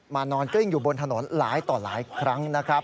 นอนกลิ้งอยู่บนถนนหลายต่อหลายครั้งนะครับ